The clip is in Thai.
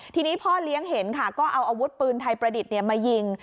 ทีนี้พ่อเลี้ยงเห็นค่ะก็เอาอาวุธปืนไทยประดิษฐ์มายิง